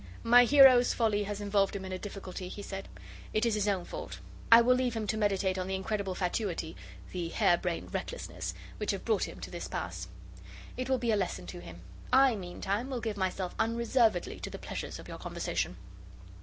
'My hero's folly has involved him in a difficulty,' he said. 'It is his own fault. I will leave him to meditate on the incredible fatuity the hare brained recklessness which have brought him to this pass. It will be a lesson to him. I, meantime, will give myself unreservedly to the pleasures of your conversation.